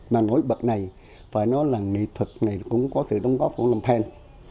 mà nỗi bật này phải nói là nghệ thuật này cũng có sự đóng góp của ông lam phen